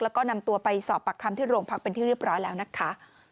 แล้วก็นำตัวไปสอบปากคำที่โรงพักเป็นที่เรียบร้อยแล้วนะคะ